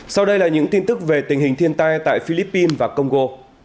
sau đây là những tin tức về tình hình thiên tai tại philippines và congo